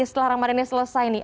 setelah ramadannya selesai nih